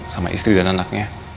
sama istri dan anaknya